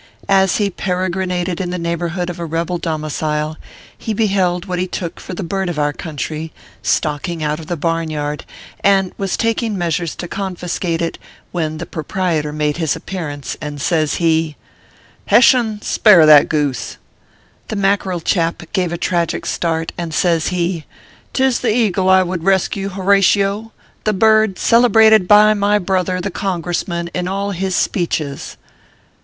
As he peregrinated in the neighborhood of a rebel domicil, he beheld what he took for the bird of our country, stalking out of the barnyard, and was taking measures to confiscate it, when the proprietor made his appear ance, and says he : ORPHEUS C. KERR PAPERS. 271 "Hessian, spare that goose !" The Mackerel chap gave a tragic start, and says he :" Tis the Eagle I would rescue, Horatio : the bird celebrated by iny brother, the Congressman, in all his speeches."